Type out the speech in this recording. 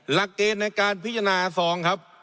หลักเกณฑ์ในการพิจารณาซองครับ